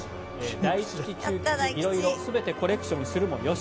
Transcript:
大吉、中吉、色々全てコレクションするもよし。